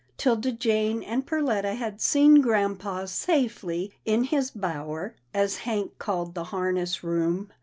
'Tilda Jane and Perletta had seen grampa safely in his " bower " as Hank called the harness room.